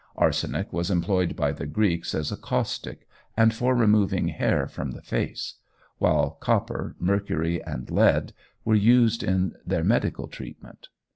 Arsenic was employed by the Greeks as a caustic, and for removing hair from the face; while copper, mercury, and lead were used in their medical treatment.